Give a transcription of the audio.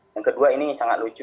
yang kedua ini sangat lucu